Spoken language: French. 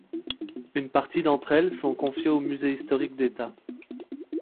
Une partie d'entre elles sont confiées au Musée historique d'État.